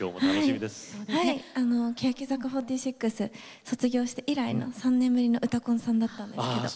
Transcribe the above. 欅坂４６卒業して以来の３年ぶりの「うたコン」さんだったんですけど。